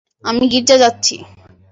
আমি গির্জা যাচ্ছি।